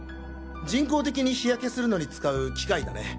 人工的に日焼けするのに使う機械だね。